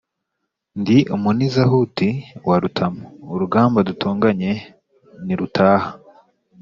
ndi umunihuzaruti wa rutamu urugamba dutonganye ntirutaha,